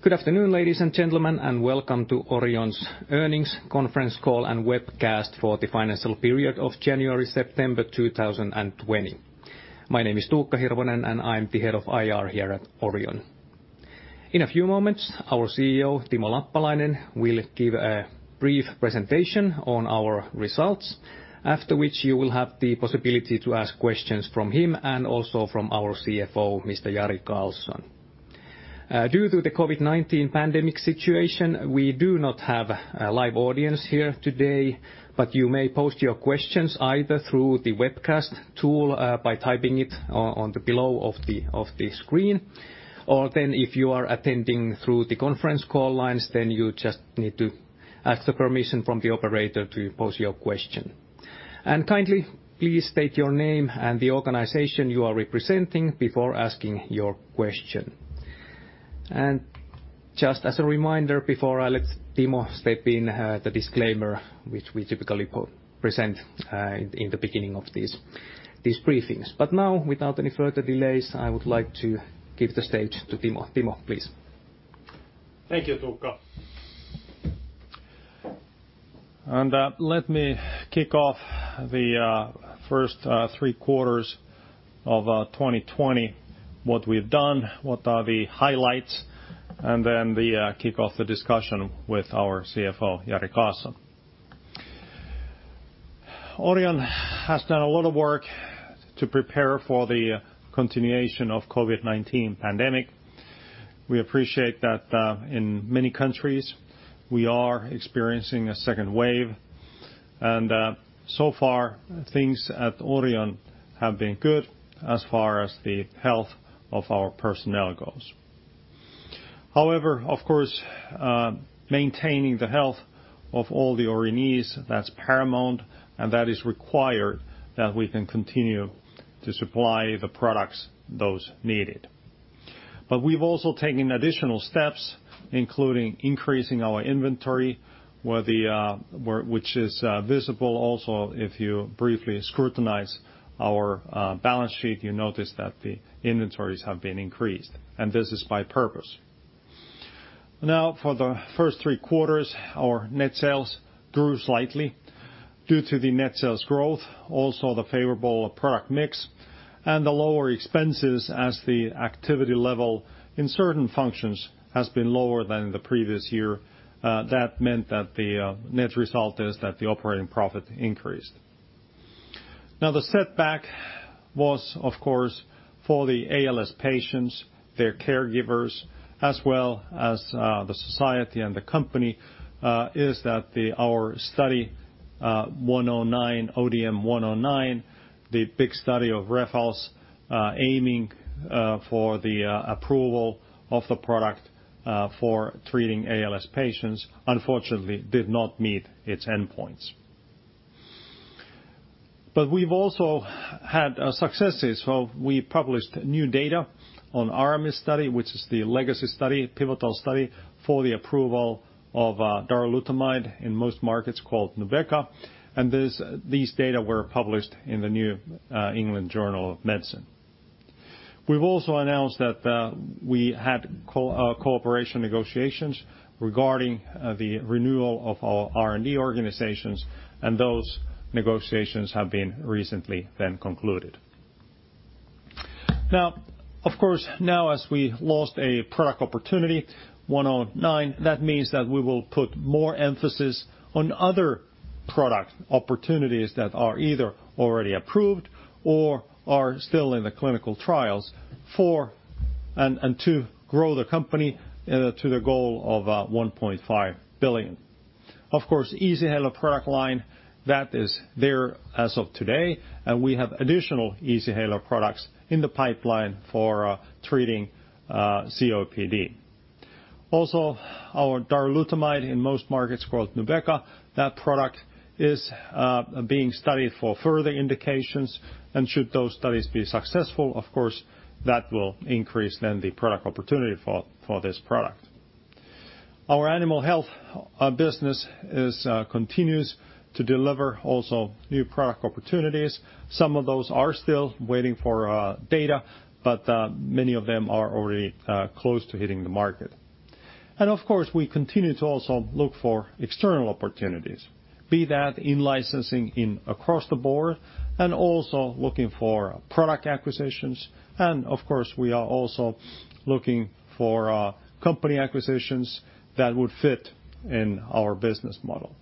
Good afternoon, ladies and gentlemen, welcome to Orion's earnings conference call and webcast for the financial period of January-September 2020. My name is Tuukka Hirvonen, and I'm the head of IR here at Orion. In a few moments, our CEO, Timo Lappalainen, will give a brief presentation on our results, after which you will have the possibility to ask questions from him and also from our CFO, Mr. Jari Karlson. Due to the COVID-19 pandemic situation, we do not have a live audience here today, but you may post your questions either through the webcast tool by typing it on below of the screen, or then if you are attending through the conference call lines, then you just need to ask the permission from the operator to pose your question. Kindly, please state your name and the organization you are representing before asking your question. Just as a reminder before I let Timo step in, the disclaimer, which we typically present in the beginning of these briefings. Now, without any further delays, I would like to give the stage to Timo. Timo, please. Thank you, Tuukka. Let me kick off the first three quarters of 2020, what we've done, what are the highlights, and then kick off the discussion with our CFO, Jari Karlson. Orion has done a lot of work to prepare for the continuation of COVID-19 pandemic. We appreciate that in many countries, we are experiencing a second wave, and so far things at Orion have been good as far as the health of our personnel goes. However, of course, maintaining the health of all the Orionees, that's paramount and that is required that we can continue to supply the products those needed. We've also taken additional steps, including increasing our inventory, which is visible also if you briefly scrutinize our balance sheet, you notice that the inventories have been increased, and this is by purpose. For the first three quarters, our net sales grew slightly due to the net sales growth, also the favorable product mix and the lower expenses as the activity level in certain functions has been lower than the previous year. That meant that the net result is that the operating profit increased. The setback was, of course, for the ALS patients, their caregivers, as well as the society and the company, is that our study ODM-109, the big study of REFALS aiming for the approval of the product for treating ALS patients, unfortunately did not meet its endpoints. We've also had successes. We published new data on ARAMIS study, which is the legacy study, pivotal study for the approval of darolutamide, in most markets called NUBEQA, and these data were published in the New England Journal of Medicine. We've also announced that we had cooperation negotiations regarding the renewal of our R&D organizations. Those negotiations have been recently then concluded. Of course, now as we lost a product opportunity, 109, that means that we will put more emphasis on other product opportunities that are either already approved or are still in the clinical trials for, and to grow the company to the goal of 1.5 billion. Of course, Easyhaler product line, that is there as of today. We have additional Easyhaler products in the pipeline for treating COPD. Our darolutamide, in most markets called NUBEQA, that product is being studied for further indications. Should those studies be successful, of course, that will increase then the product opportunity for this product. Our Animal Health business continues to deliver also new product opportunities. Some of those are still waiting for data, but many of them are already close to hitting the market. Of course, we continue to also look for external opportunities, be that in licensing across the board and also looking for product acquisitions. Of course, we are also looking for company acquisitions that would fit in our business model.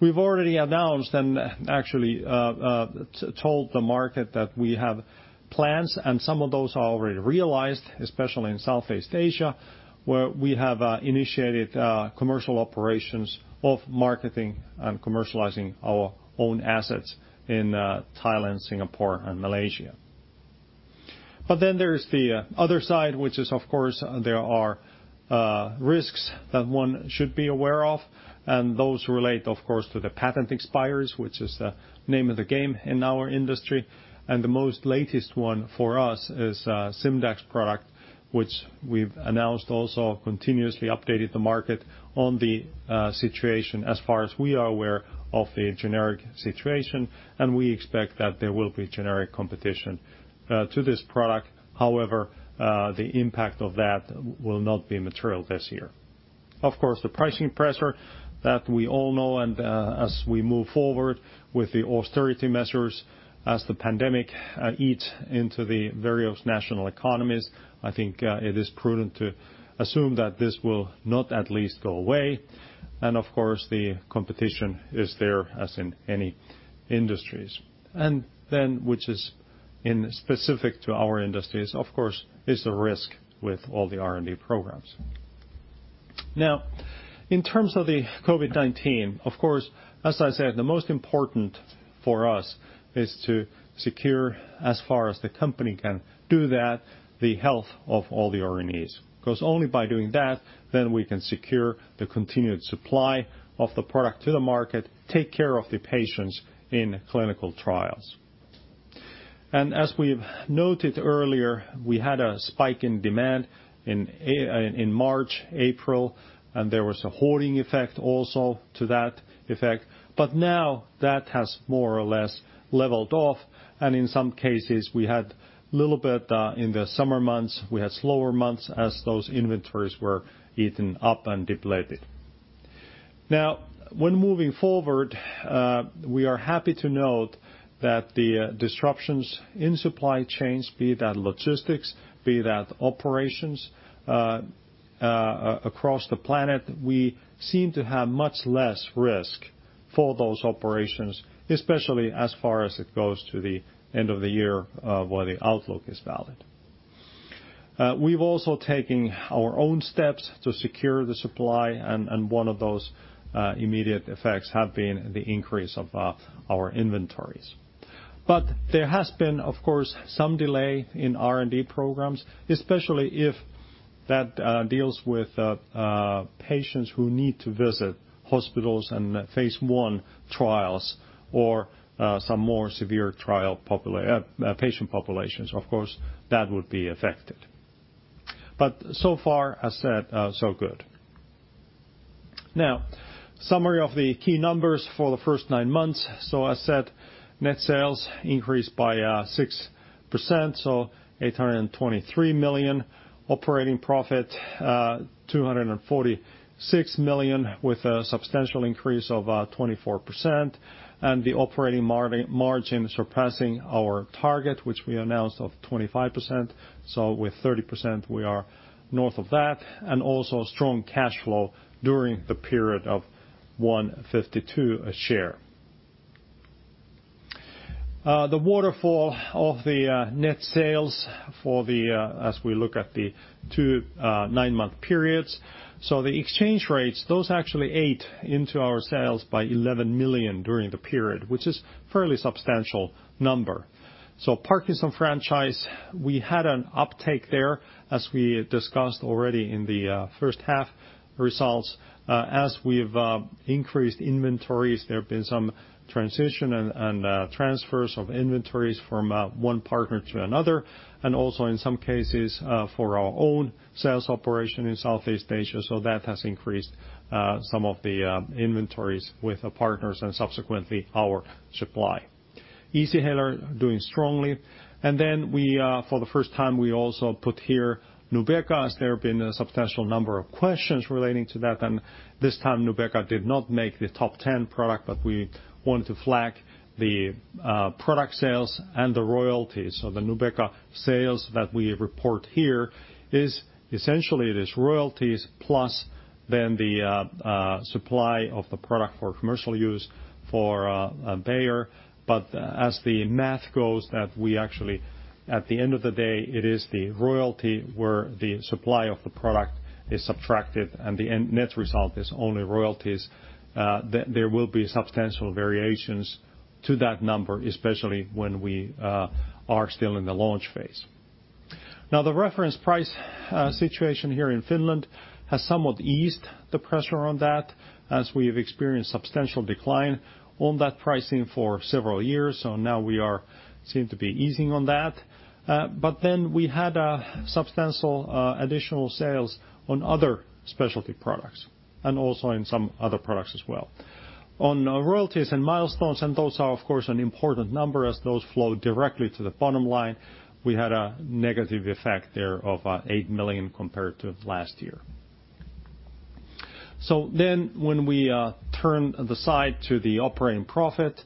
We've already announced and actually told the market that we have plans and some of those are already realized, especially in Southeast Asia, where we have initiated commercial operations of marketing and commercializing our own assets in Thailand, Singapore, and Malaysia. There's the other side, which is of course, there are risks that one should be aware of, and those relate, of course, to the patent expires, which is the name of the game in our industry. The most latest one for us is Simdax product, which we've announced also continuously updated the market on the situation as far as we are aware of the generic situation, and we expect that there will be generic competition to this product. However, the impact of that will not be material this year. Of course, the pricing pressure that we all know, and as we move forward with the austerity measures, as the pandemic eats into the various national economies, I think it is prudent to assume that this will not, at least, go away. Of course, the competition is there as in any industries. Then, which is specific to our industries, of course, is the risk with all the R&D programs. In terms of the COVID-19, of course, as I said, the most important for us is to secure, as far as the company can do that, the health of all the Orionees. Only by doing that, we can secure the continued supply of the product to the market, take care of the patients in clinical trials. As we've noted earlier, we had a spike in demand in March, April, and there was a hoarding effect also to that effect. Now that has more or less leveled off, and in some cases, we had little bit in the summer months, we had slower months as those inventories were eaten up and depleted. When moving forward, we are happy to note that the disruptions in supply chains, be that logistics, be that operations across the planet, we seem to have much less risk for those operations, especially as far as it goes to the end of the year where the outlook is valid. We've also taken our own steps to secure the supply, and one of those immediate effects have been the increase of our inventories. There has been, of course, some delay in R&D programs, especially if that deals with patients who need to visit hospitals and phase I trials or some more severe trial patient populations. Of course, that would be affected. So far as said, so good. Summary of the key numbers for the first nine months. As said, net sales increased by 6%, so 823 million. Operating profit 246 million with a substantial increase of 24%. The operating margin surpassing our target, which we announced of 25%. With 30%, we are north of that, and also strong cash flow during the period of 1.52 a share. The waterfall of the net sales as we look at the two nine-month periods. The exchange rates, those actually ate into our sales by 11 million during the period, which is fairly substantial number. Parkinson franchise, we had an uptake there as we discussed already in the first half results. As we've increased inventories, there have been some transition and transfers of inventories from one partner to another, and also in some cases for our own sales operation in Southeast Asia. That has increased some of the inventories with partners and subsequently our supply. Easyhaler doing strongly. For the first time, we also put here NUBEQA as there have been a substantial number of questions relating to that and this time NUBEQA did not make the top 10 product, but we want to flag the product sales and the royalties. The NUBEQA sales that we report here is essentially this royalties plus then the supply of the product for commercial use for Bayer. As the math goes that we actually at the end of the day, it is the royalty where the supply of the product is subtracted and the net result is only royalties, there will be substantial variations to that number, especially when we are still in the launch phase. The reference price situation here in Finland has somewhat eased the pressure on that as we have experienced substantial decline on that pricing for several years. Now we seem to be easing on that. We had a substantial additional sales on other specialty products and also in some other products as well. On royalties and milestones, and those are of course an important number as those flow directly to the bottom line, we had a negative effect there of 8 million compared to last year. When we turn the side to the operating profit,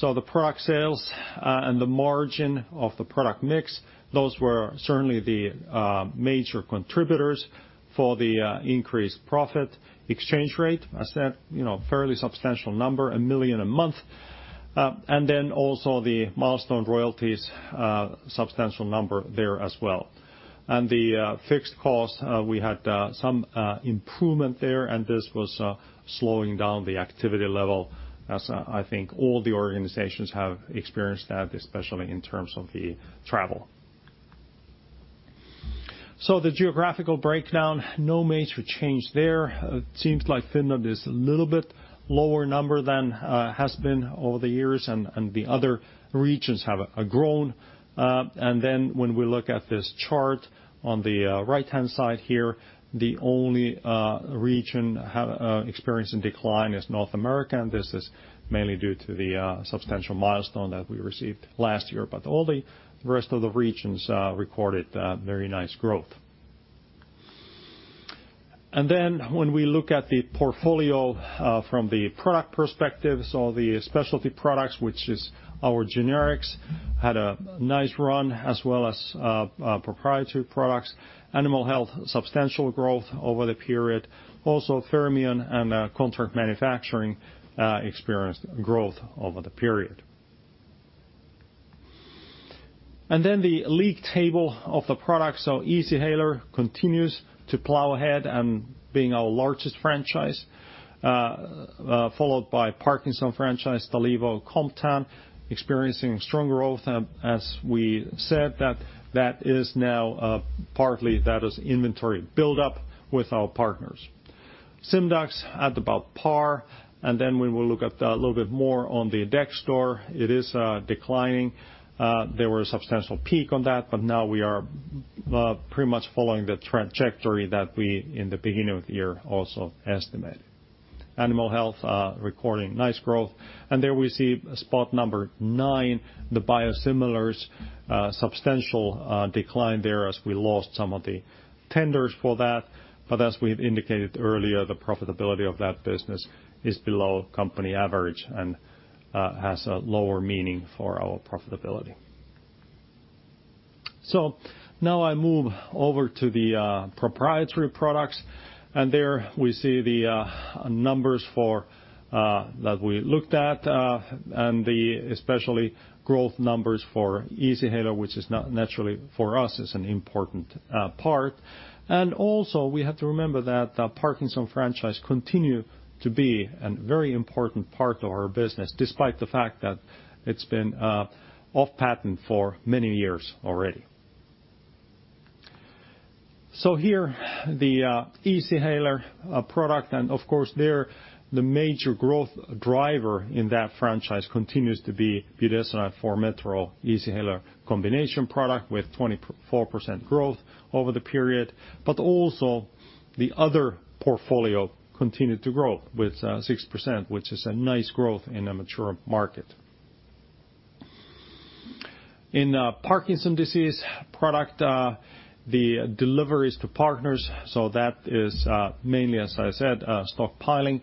the product sales and the margin of the product mix, those were certainly the major contributors for the increased profit. Exchange rate, as said, fairly substantial number, 1 million a month. Also the milestone royalties substantial number there as well. The fixed cost we had some improvement there and this was slowing down the activity level as I think all the organizations have experienced that especially in terms of the travel. The geographical breakdown, no major change there. Seems like Finland is a little bit lower number than has been over the years and the other regions have grown. When we look at this chart on the right-hand side here, the only region experiencing decline is North America and this is mainly due to the substantial milestone that we received last year. All the rest of the regions recorded very nice growth. When we look at the portfolio from the product perspective, the specialty products, which is our generics, had a nice run as well as proprietary products. Animal health, substantial growth over the period. Also Fermion and contract manufacturing experienced growth over the period. The league table of the products. Easyhaler continues to plow ahead and being our largest franchise, followed by Parkinson franchise, Stalevo, Comtan, experiencing strong growth. As we said, that is now partly inventory build-up with our partners. Simdax at about par, and then we will look at a little bit more on the Dexdor, it is declining. There was a substantial peak on that, but now we are pretty much following the trajectory that we, in the beginning of the year, also estimated. Animal health recording nice growth. We see spot number nine, the biosimilars, substantial decline there as we lost some of the tenders for that. As we've indicated earlier, the profitability of that business is below company average and has a lower meaning for our profitability. I move over to the proprietary products, and there we see the numbers that we looked at, and the especially growth numbers for Easyhaler, which is naturally for us is an important part. Also we have to remember that the Parkinson's franchise continues to be a very important part of our business, despite the fact that it's been off patent for many years already. Here, the Easyhaler product, and of course there the major growth driver in that franchise continues to be budesonide/formoterol Easyhaler combination product with 24% growth over the period. Also the other portfolio continued to grow with 6%, which is a nice growth in a mature market. In Parkinson's disease product, the deliveries to partners, so that is mainly, as I said, stockpiling.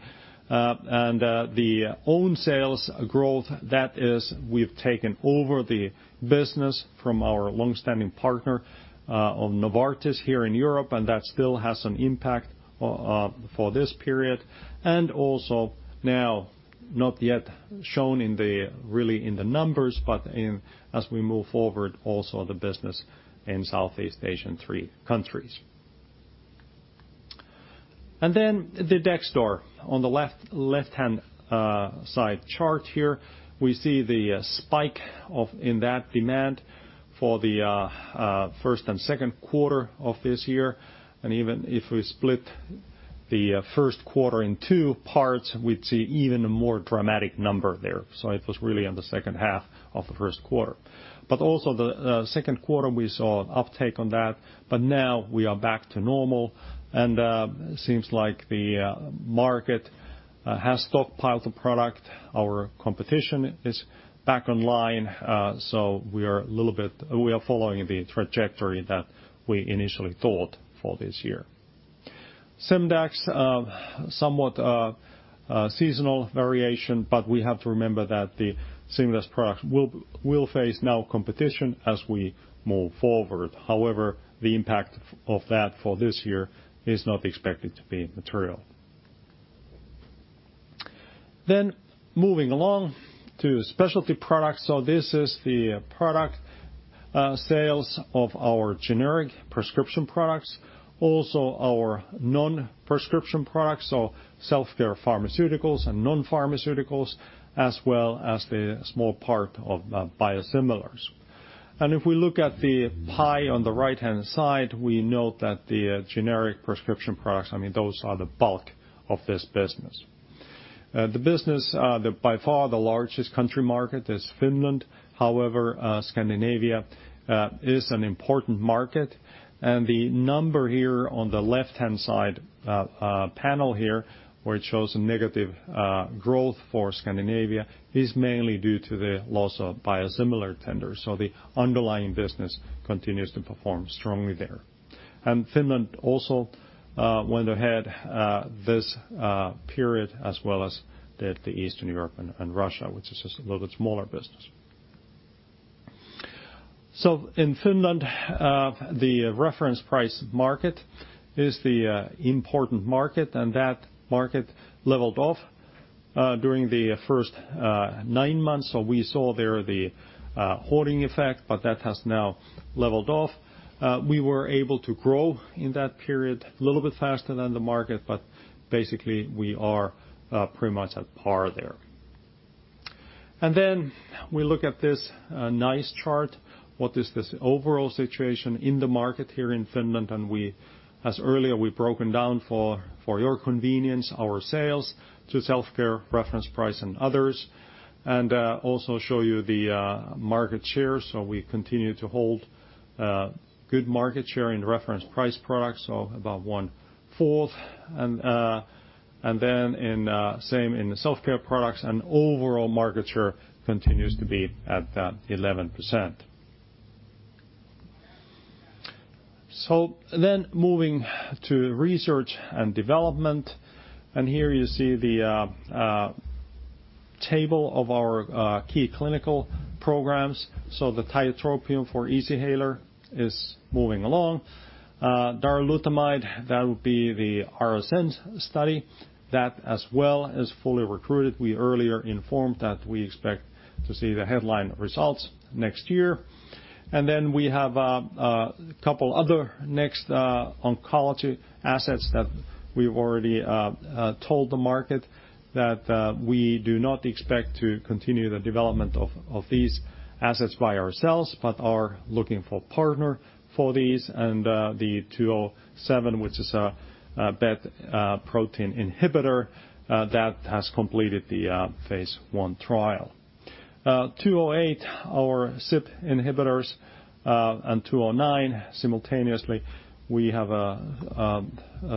The own sales growth, that is we've taken over the business from our longstanding partner of Novartis here in Europe, and that still has an impact for this period. Also now, not yet shown really in the numbers, but as we move forward, also the business in Southeast Asian three countries. The Dexdor on the left-hand side chart here, we see the spike in that demand for the first and second quarter of this year. Even if we split the first quarter in two parts, we'd see even a more dramatic number there. It was really in the second half of the first quarter. Also the second quarter, we saw an uptake on that, but now we are back to normal and seems like the market has stockpiled the product. Our competition is back online, so we are following the trajectory that we initially thought for this year. Simdax, somewhat seasonal variation, but we have to remember that the Simdax product will face now competition as we move forward. However, the impact of that for this year is not expected to be material. Moving along to specialty products. This is the product sales of our generic prescription products, also our non-prescription products, so self-care pharmaceuticals and non-pharmaceuticals, as well as the small part of biosimilars. If we look at the pie on the right-hand side, we note that the generic prescription products, I mean, those are the bulk of this business. The business, by far the largest country market is Finland. However, Scandinavia is an important market, and the number here on the left-hand side panel here, where it shows a negative growth for Scandinavia, is mainly due to the loss of biosimilar tenders. The underlying business continues to perform strongly there. Finland also went ahead this period as well as Eastern Europe and Russia, which is just a little bit smaller business. In Finland, the reference price market is the important market, and that market leveled off during the first nine months. We saw there the hoarding effect, but that has now leveled off. We were able to grow in that period a little bit faster than the market, but basically we are pretty much at par there. We look at this nice chart, what is this overall situation in the market here in Finland, and as earlier, we've broken down for your convenience, our sales to self-care, reference price, and others, and also show you the market share. We continue to hold good market share in reference price products, about 1/4. Same in the self-care products and overall market share continues to be at that 11%. Moving to research and development, here you see the table of our key clinical programs. The tiotropium for Easyhaler is moving along. Darolutamide, that would be the ARASENS study that as well is fully recruited. We earlier informed that we expect to see the headline results next year. We have a couple other next oncology assets that we've already told the market that we do not expect to continue the development of these assets by ourselves, but are looking for partner for these and the 207, which is a BET protein inhibitor that has completed the phase I trial. 208, our CYP inhibitors, and 209. Simultaneously, we have a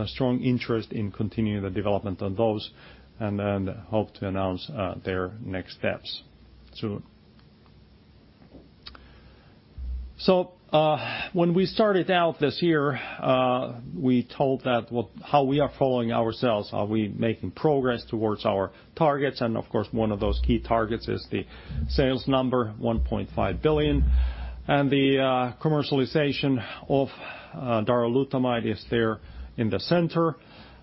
strong interest in continuing the development on those and hope to announce their next steps soon. When we started out this year, we told that how we are following ourselves. Are we making progress towards our targets? Of course, one of those key targets is the sales number 1.5 billion and the commercialization of darolutamide is there in the center.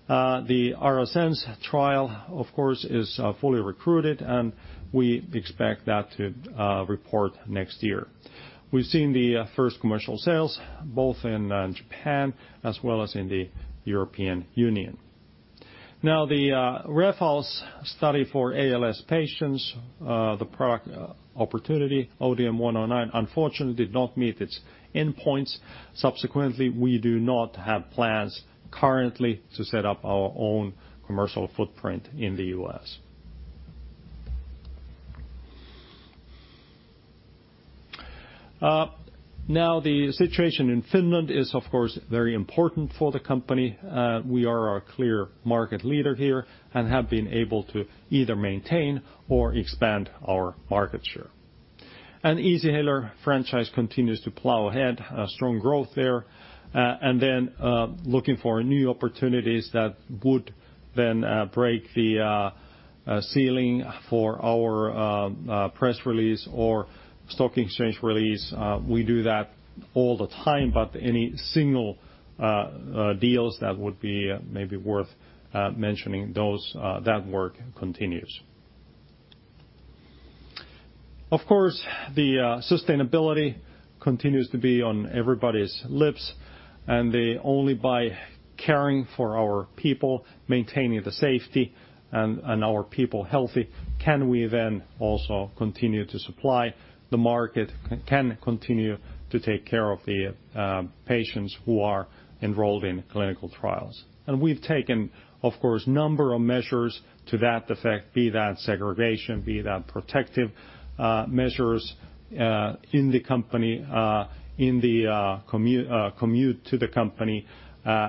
The ARASENS trial, of course, is fully recruited and we expect that to report next year. We've seen the first commercial sales both in Japan as well as in the European Union. The REFALS study for ALS patients, the product opportunity ODM-109, unfortunately did not meet its endpoints. Subsequently, we do not have plans currently to set up our own commercial footprint in the U.S. The situation in Finland is of course very important for the company. We are a clear market leader here and have been able to either maintain or expand our market share. Easyhaler franchise continues to plow ahead, strong growth there. Then looking for new opportunities that would then break the ceiling for our press release or stock exchange release. We do that all the time, but any single deals that would be maybe worth mentioning, that work continues. Of course, the sustainability continues to be on everybody's lips, and only by caring for our people, maintaining the safety and our people healthy, can we then also continue to supply the market, can continue to take care of the patients who are enrolled in clinical trials. We've taken, of course, number of measures to that effect, be that segregation, be that protective measures in the company, in the commute to the company,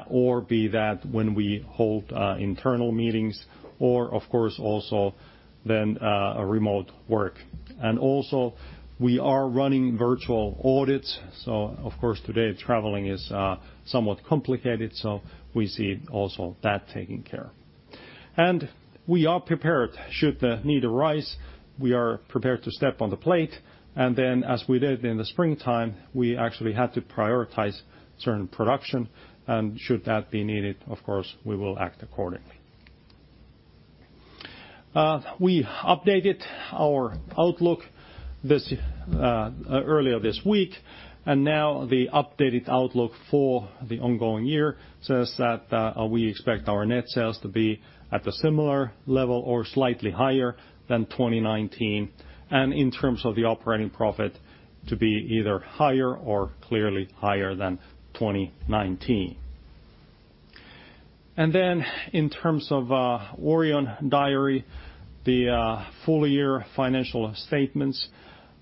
or be that when we hold internal meetings or of course, also then remote work. Also we are running virtual audits. Of course, today traveling is somewhat complicated, so we see also that taken care. We are prepared should the need arise, we are prepared to step on the plate. As we did in the springtime, we actually had to prioritize certain production and should that be needed, of course, we will act accordingly. We updated our outlook earlier this week, and now the updated outlook for the ongoing year says that we expect our net sales to be at a similar level or slightly higher than 2019. In terms of the operating profit to be either higher or clearly higher than 2019. In terms of Orion diary, the full year financial statements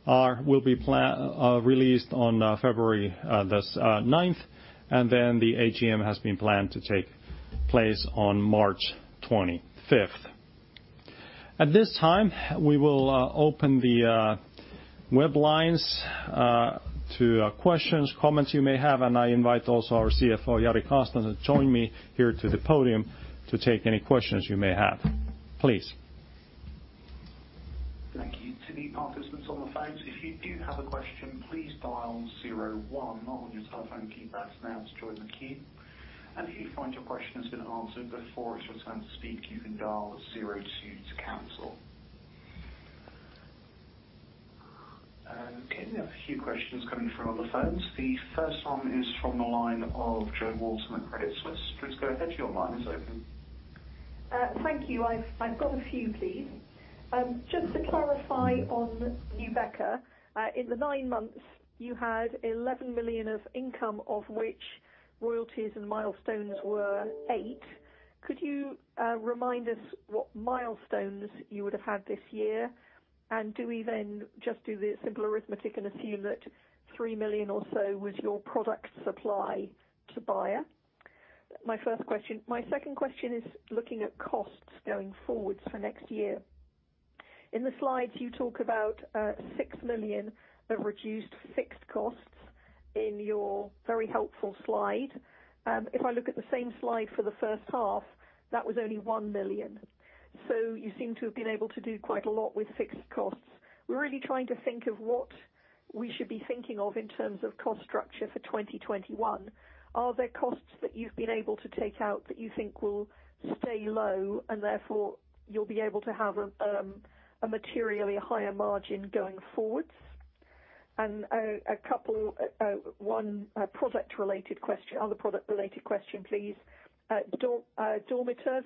will be released on February 9th, and then the AGM has been planned to take place on March 25th. At this time, we will open the web lines to questions, comments you may have, and I invite also our CFO, Jari Karlson to join me here to the podium to take any questions you may have. Please. Thank you to the participants on the phone. If you do have a question, please dial zero one on your telephone keypad now to join the queue. If you find your question has been answered before it's your turn to speak, you can dial zero two to cancel. Okay, we have a few questions coming through on the phones. The first one is from the line of Jo Walton at Credit Suisse. Please go ahead. Your line is open. Thank you. I've got a few, please. Just to clarify on NUBEQA, in the nine months you had 11 million of income, of which royalties and milestones were 8. Could you remind us what milestones you would have had this year? Do we then just do the simple arithmetic and assume that 3 million or so was your product supply to Bayer? My first question, my second question is looking at costs going forwards for next year. In the slides, you talk about 6 million of reduced fixed costs in your very helpful slide. If I look at the same slide for the first half, that was only 1 million. You seem to have been able to do quite a lot with fixed costs. We're really trying to think of what we should be thinking of in terms of cost structure for 2021. Are there costs that you've been able to take out that you think will stay low and therefore you'll be able to have a materially higher margin going forwards? One other product related question, please. Domitor,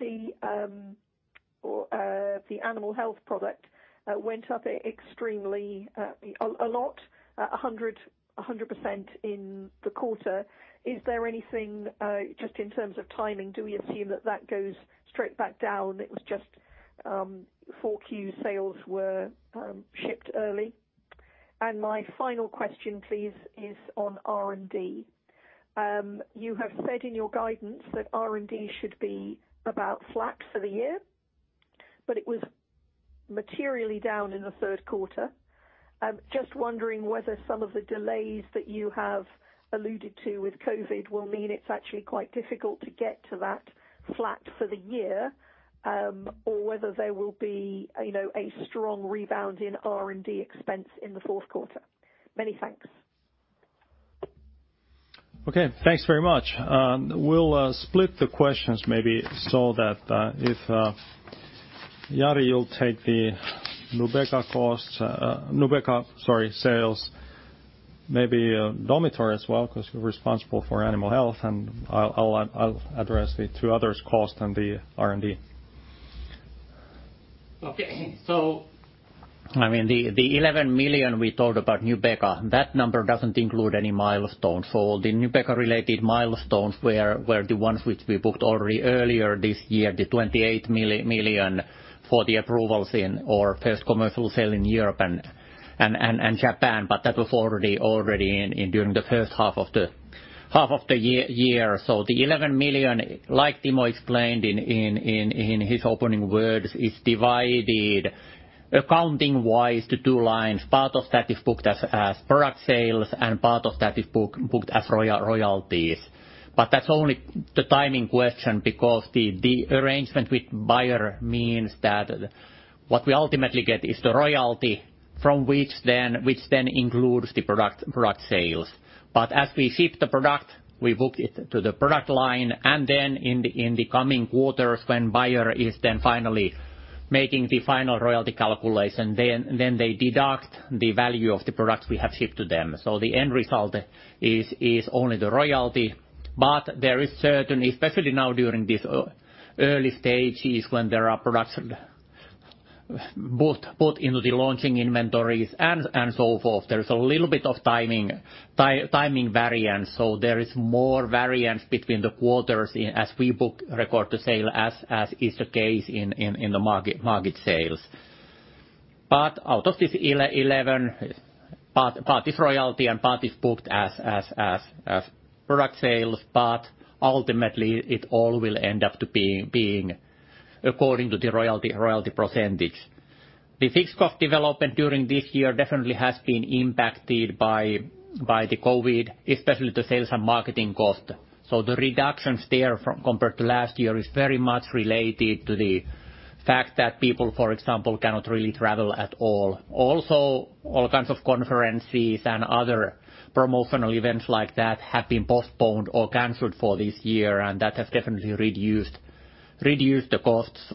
the animal health product, went up extremely a lot, 100% in the quarter. Is there anything, just in terms of timing, do we assume that that goes straight back down? It was just 4Q sales were shipped early. My final question please is on R&D. You have said in your guidance that R&D should be about flat for the year, but it was materially down in the third quarter. Just wondering whether some of the delays that you have alluded to with COVID-19 will mean it's actually quite difficult to get to that flat for the year, or whether there will be a strong rebound in R&D expense in the fourth quarter. Many thanks. Okay, thanks very much. We'll split the questions maybe so that if, Jari, you'll take the NUBEQA sales, maybe Domitor as well, because you're responsible for animal health, and I'll address the two others, cost and the R&D. The 11 million we talked about NUBEQA, that number doesn't include any milestones. All the NUBEQA related milestones were the ones which we booked already earlier this year, the 28 million for the approvals in our first commercial sale in Europe and Japan. That was already during the first half of the year. The 11 million, like Timo explained in his opening words, is divided accounting-wise to two lines. Part of that is booked as product sales and part of that is booked as royalties. That's only the timing question because the arrangement with Bayer means that what we ultimately get is the royalty, which then includes the product sales. As we ship the product, we book it to the product line, and then in the coming quarters, when Bayer is then finally making the final royalty calculation, then they deduct the value of the product we have shipped to them. The end result is only the royalty. There is certain, especially now during these early stages, when there are products both put into the launching inventories and so forth. There's a little bit of timing variance. There is more variance between the quarters as we book record to sale as is the case in the market sales. Out of this 11, part is royalty and part is booked as product sales, but ultimately it all will end up to being according to the royalty percentage. The fixed cost development during this year definitely has been impacted by the COVID, especially the sales and marketing cost. The reductions there compared to last year is very much related to the fact that people, for example, cannot really travel at all. All kinds of conferences and other promotional events like that have been postponed or canceled for this year, that has definitely reduced the costs.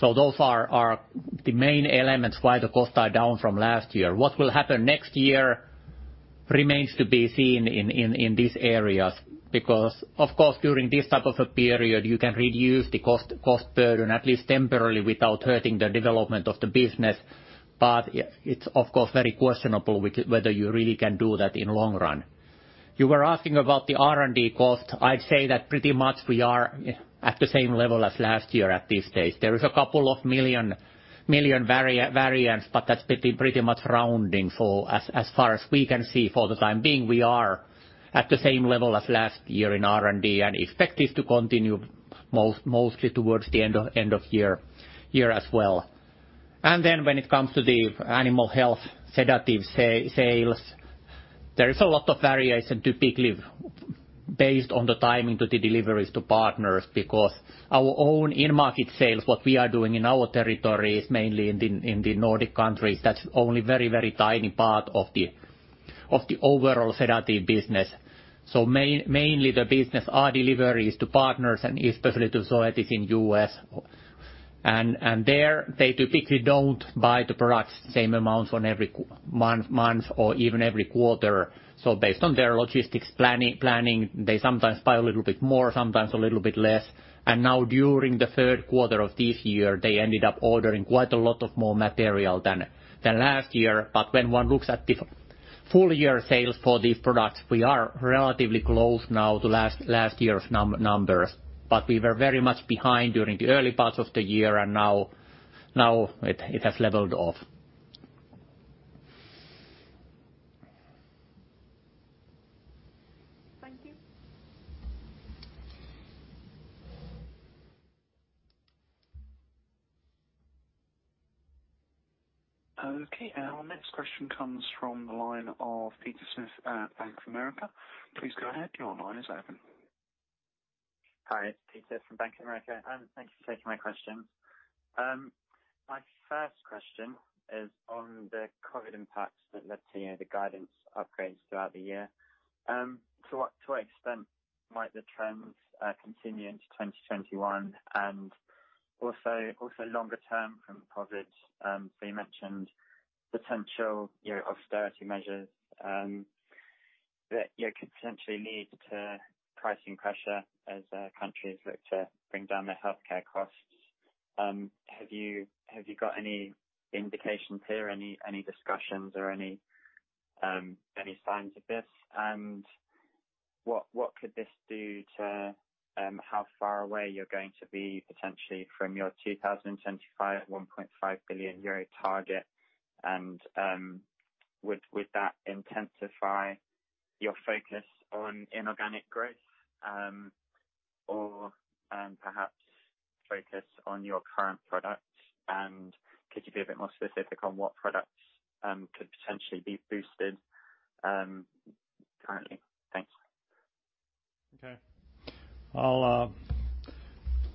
Those are the main elements why the costs are down from last year. What will happen next year remains to be seen in these areas because, of course, during this type of a period, you can reduce the cost burden at least temporarily without hurting the development of the business. It's of course very questionable whether you really can do that in long run. You were asking about the R&D cost. I'd say that pretty much we are at the same level as last year at this stage. There is a couple of million variance, that's pretty much rounding. As far as we can see for the time being, we are at the same level as last year in R&D. Expect this to continue mostly towards the end of year as well. When it comes to the animal health sedative sales, there is a lot of variation typically based on the timing to the deliveries to partners because our own in-market sales, what we are doing in our territories, mainly in the Nordic countries, that's only very tiny part of the overall sedative business. Mainly the business are deliveries to partners, especially to Zoetis in U.S. There, they typically don't buy the products same amounts on every month or even every quarter. Based on their logistics planning, they sometimes buy a little bit more, sometimes a little bit less. Now during the third quarter of this year, they ended up ordering quite a lot of more material than last year. When one looks at the full year sales for these products, we are relatively close now to last year's numbers. We were very much behind during the early parts of the year and now it has leveled off. Okay. Our next question comes from the line of Peter Smith at Bank of America. Please go ahead. Hi, it's Peter from Bank of America. Thank you for taking my question. My first question is on the COVID impacts that led to the guidance upgrades throughout the year. To what extent might the trends continue into 2021? Also longer term from COVID, you mentioned potential austerity measures that could potentially lead to pricing pressure as countries look to bring down their healthcare costs. Have you got any indications here, any discussions or any signs of this? What could this do to how far away you're going to be potentially from your 2025 EUR 1.5 billion target? Would that intensify your focus on inorganic growth, or perhaps focus on your current products? Could you be a bit more specific on what products could potentially be boosted currently? Thanks.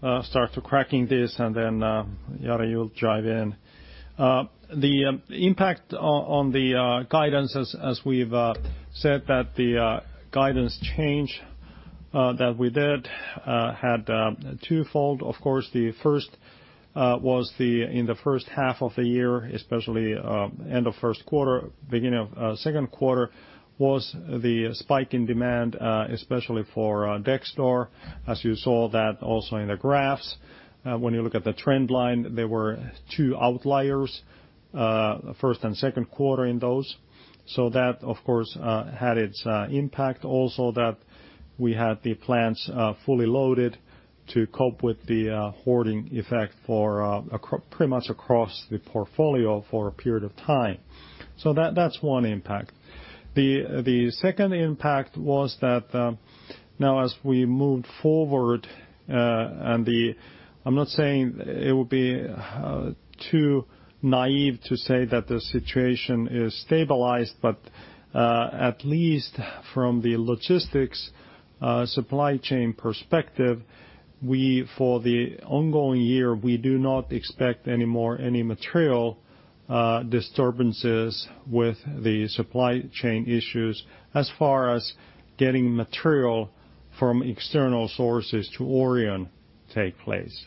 I'll start to cracking this. Jari, you'll chime in. The impact on the guidance as we've said that the guidance change that we did had twofold. Of course, the first was in the first half of the year, especially end of first quarter, beginning of second quarter, was the spike in demand especially for Dexdor, as you saw that also in the graphs. When you look at the trend line, there were two outliers, first and second quarter in those. That, of course, had its impact also that we had the plants fully loaded to cope with the hoarding effect pretty much across the portfolio for a period of time. That's one impact. The second impact was that now as we move forward, and I'm not saying it would be too naive to say that the situation is stabilized, but at least from the logistics supply chain perspective, for the ongoing year, we do not expect any more material disturbances with the supply chain issues as far as getting material from external sources to Orion take place.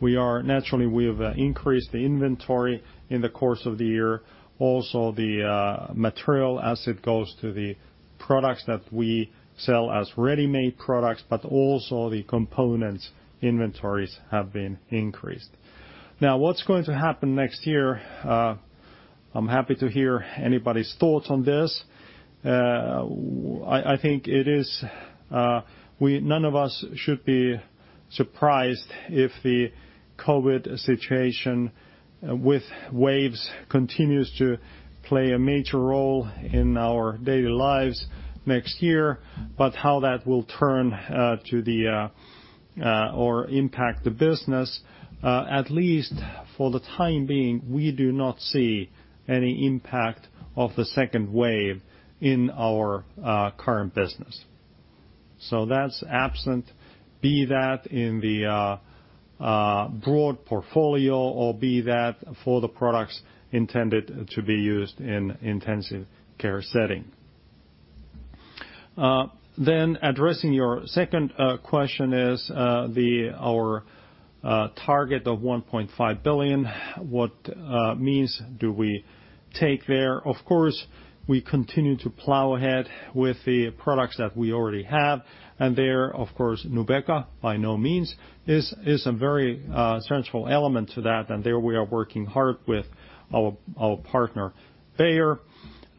Naturally, we've increased the inventory in the course of the year. Also, the material as it goes to the products that we sell as ready-made products, but also the components inventories have been increased. Now, what's going to happen next year, I'm happy to hear anybody's thoughts on this. I think none of us should be surprised if the COVID situation with waves continues to play a major role in our daily lives next year. How that will turn or impact the business, at least for the time being, we do not see any impact of the second wave in our current business. That's absent, be that in the broad portfolio or be that for the products intended to be used in intensive care setting. Addressing your second question is our target of 1.5 billion, what means do we take there? We continue to plow ahead with the products that we already have, and there, of course, NUBEQA by no means is a very central element to that, and there we are working hard with our partner, Bayer.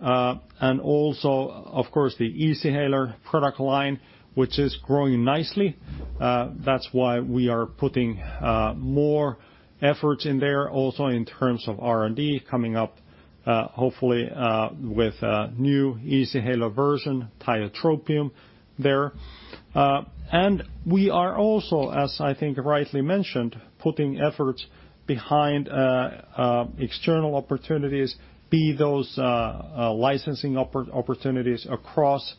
Also, of course, the Easyhaler product line, which is growing nicely. That's why we are putting more efforts in there also in terms of R&D coming up, hopefully, with a new Easyhaler version, tiotropium there. We are also, as I think rightly mentioned, putting efforts behind external opportunities, be those licensing opportunities across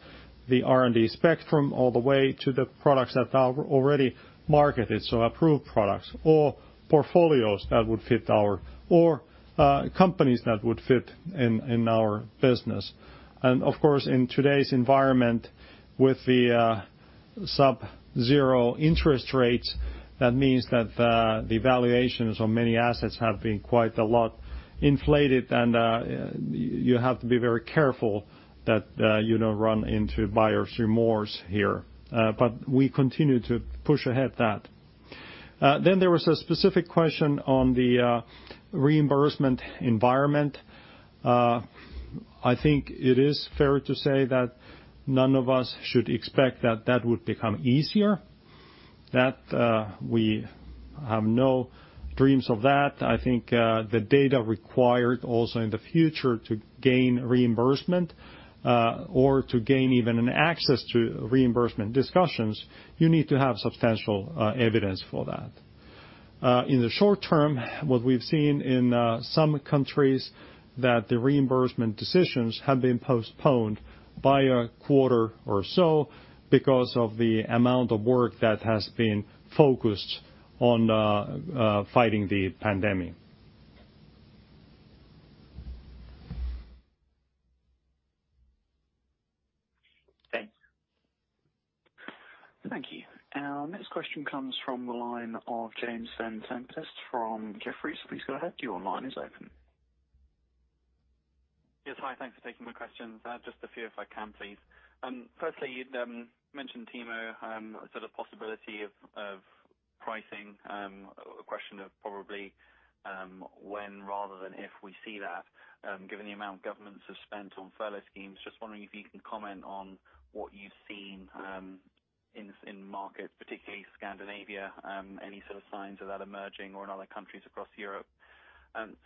the R&D spectrum, all the way to the products that are already marketed, so approved products or portfolios that would fit our or companies that would fit in our business. Of course, in today's environment with the sub-zero interest rates, that means that the valuations on many assets have been quite a lot inflated, and you have to be very careful that you don't run into buyer's remorse here. We continue to push ahead that. There was a specific question on the reimbursement environment. I think it is fair to say that none of us should expect that that would become easier. Have no dreams of that. I think the data required also in the future to gain reimbursement, or to gain even an access to reimbursement discussions, you need to have substantial evidence for that. In the short term, what we've seen in some countries, that the reimbursement decisions have been postponed by a quarter or so because of the amount of work that has been focused on fighting the pandemic. Thanks. Thank you. Our next question comes from the line of James Vane-Tempest from Jefferies. Please go ahead. Your line is open. Yes. Hi. Thanks for taking my questions. Just a few if I can, please. Firstly, you'd mentioned, Timo, sort of possibility of pricing, a question of probably when rather than if we see that given the amount governments have spent on furlough schemes, just wondering if you can comment on what you've seen in markets, particularly Scandinavia, any sort of signs of that emerging or in other countries across Europe.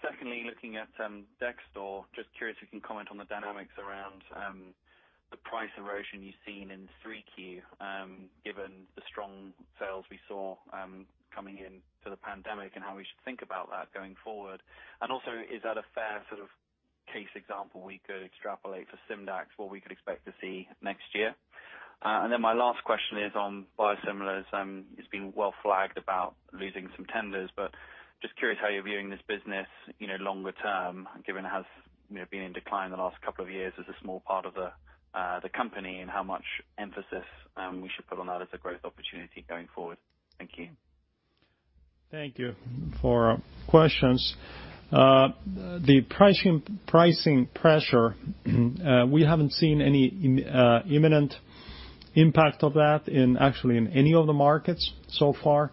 Secondly, looking at Dexdor, just curious if you can comment on the dynamics around the price erosion you've seen in 3Q given the strong sales we saw coming into the pandemic and how we should think about that going forward. Also, is that a fair sort of case example we could extrapolate for Simdax what we could expect to see next year? Then my last question is on biosimilars. It's been well flagged about losing some tenders. Just curious how you're viewing this business longer term, given it has been in decline in the last couple of years as a small part of the company and how much emphasis we should put on that as a growth opportunity going forward. Thank you. Thank you for questions. The pricing pressure, we haven't seen any imminent impact of that actually in any of the markets so far.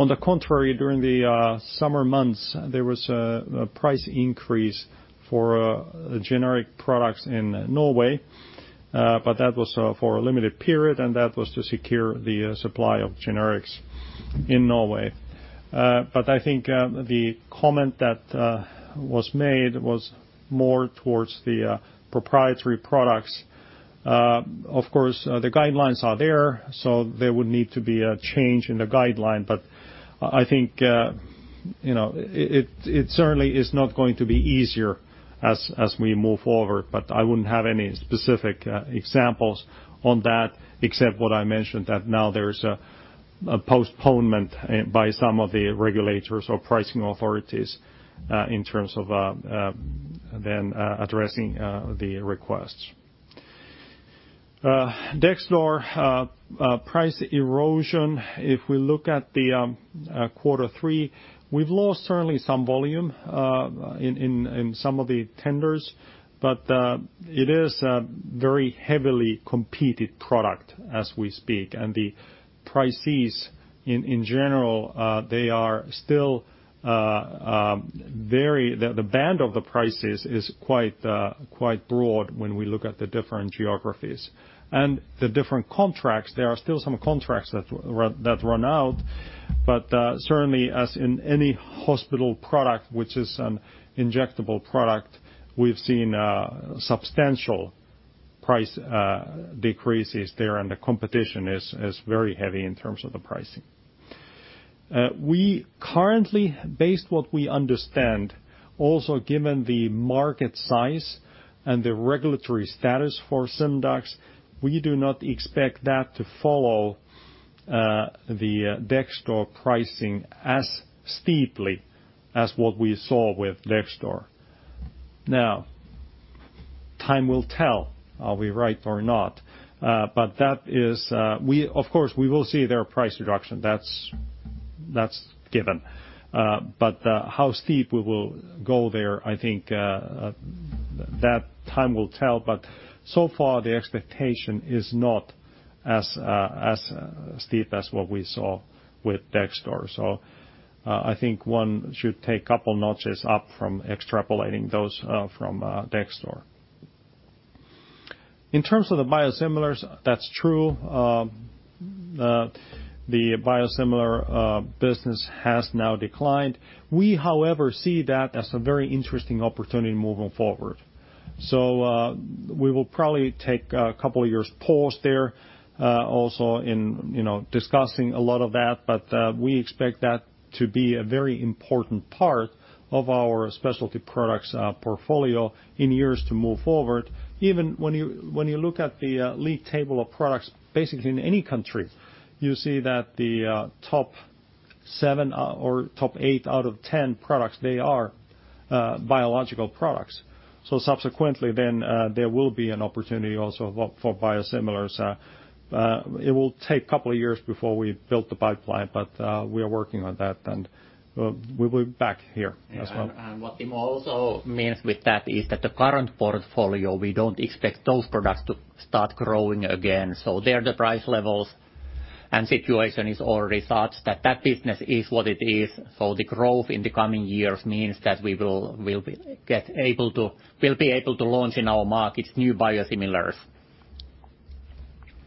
On the contrary, during the summer months, there was a price increase for generic products in Norway, but that was for a limited period, and that was to secure the supply of generics in Norway. I think the comment that was made was more towards the proprietary products. Of course, the guidelines are there, so there would need to be a change in the guideline. I think it certainly is not going to be easier as we move forward. I wouldn't have any specific examples on that except what I mentioned that now there is a postponement by some of the regulators or pricing authorities in terms of then addressing the requests. Dexdor price erosion, if we look at the quarter three, we've lost certainly some volume in some of the tenders, but it is a very heavily competed product as we speak. The prices in general, the band of the prices is quite broad when we look at the different geographies. The different contracts, there are still some contracts that run out. Certainly as in any hospital product which is an injectable product, we've seen substantial price decreases there and the competition is very heavy in terms of the pricing. We currently, based what we understand, also given the market size and the regulatory status for Simdax, we do not expect that to follow the Dexdor pricing as steeply as what we saw with Dexdor. Time will tell are we right or not. We will see their price reduction, that's given. How steep we will go there, I think that time will tell, but so far the expectation is not as steep as what we saw with Dexdor. I think one should take couple notches up from extrapolating those from Dexdor. In terms of the biosimilars, that's true. The biosimilar business has now declined. We, however, see that as a very interesting opportunity moving forward. We will probably take a couple of years pause there also in discussing a lot of that, but we expect that to be a very important part of our specialty products portfolio in years to move forward. Even when you look at the league table of products, basically in any country, you see that the top seven or top eight out of 10 products, they are biological products. Subsequently then, there will be an opportunity also for biosimilars. It will take couple of years before we build the pipeline, but we are working on that and we will be back here as well. What Timo also means with that is that the current portfolio, we don't expect those products to start growing again. There the price levels and situation is already such that that business is what it is. The growth in the coming years means that we'll be able to launch in our markets new biosimilars. That's great.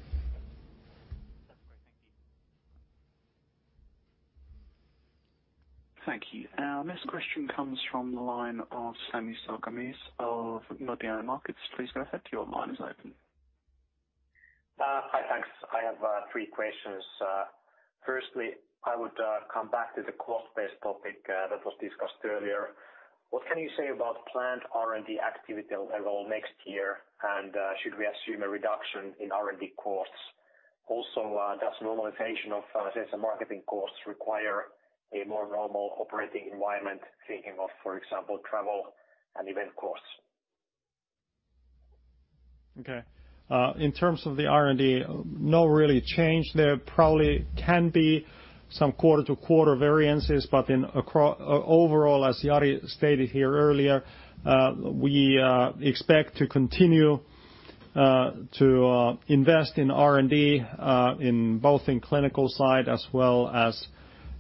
Thank you. Thank you. Our next question comes from the line of Sami Sarkamies of Nordea Markets. Please go ahead, your line is open. Hi. Thanks. I have three questions. Firstly, I would come back to the cost-based topic that was discussed earlier. What can you say about planned R&D activity level next year and should we assume a reduction in R&D costs? Does normalization of sales and marketing costs require a more normal operating environment, thinking of, for example, travel and event costs? Okay. In terms of the R&D, no really change there. Probably can be some quarter to quarter variances, but overall, as Jari stated here earlier, we expect to continue to invest in R&D both in clinical side as well as